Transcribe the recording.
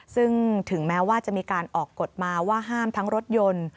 ซึ่งถึงแม้ว่าจะมีการออกกฎมาว่าห้ามทั้งรถยนต์